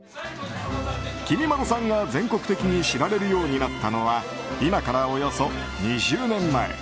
きみまろさんが全国的に知られるようになったのは今からおよそ２０年前。